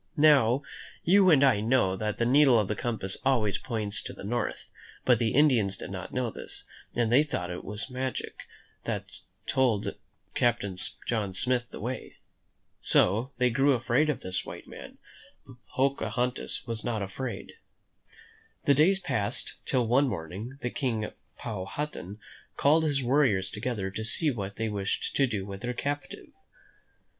Now, you and I know that the needle of a compass points always to the north; but the Indians did not know this, and they thought it was magic that told Captain John Smith the way. So they grew afraid of this white man; but Pocahontas was not afraid. The days passed, till one morning the King, Powhatan, called his warriors together to see what they wished to do with their captive.